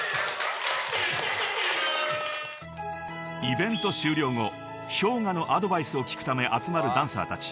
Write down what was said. ［イベント終了後ＨｙＯｇＡのアドバイスを聞くため集まるダンサーたち］